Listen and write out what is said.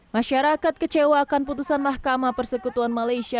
masyarakat kecewakan putusan mahkamah persekutuan malaysia